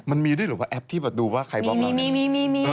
มันมีด้วยหรือว่าแอปที่ดูว่าใครบล็อกเรา